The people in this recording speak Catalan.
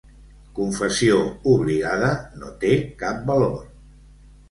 Confessió obligada no té cap valor.